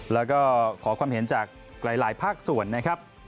แล้วก็ขอความเห็นจากหลายภาคส่วนนะครับ